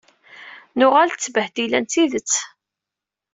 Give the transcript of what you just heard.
Nuɣal d ttbehdila n tidet.